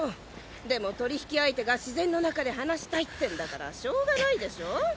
でも取引相手が自然の中で話したいってんだからしょうがないでしょ？